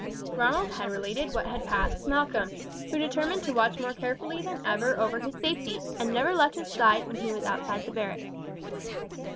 Ronald had related what had passed to Malcolm, who determined to watch more carefully than ever over his safety, and never left his side when he was outside the barracks.